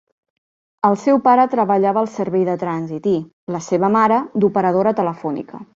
El seu pare treballava al servei de trànsit i, la seva mare, d'operadora telefònica.